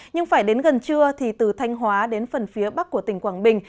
nhưng phải đến gần trưa thì từ thanh hóa đến phần phía bắc của tỉnh quảng bình